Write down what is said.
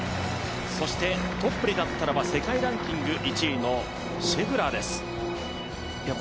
そして、トップに立ったのは世界ランキング１位のシェフラーです。